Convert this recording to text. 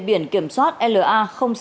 biển kiểm soát la sáu nghìn bảy trăm bốn mươi ba